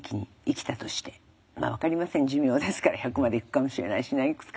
分かりません寿命ですから１００まで行くかもしれないしいくつか。